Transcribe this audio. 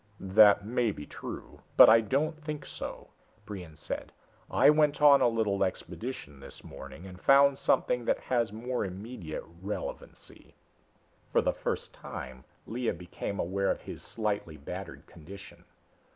"That may be true but I don't think so," Brion said. "I went on a little expedition this morning and found something that has more immediate relevancy." For the first time Lea became aware of his slightly battered condition.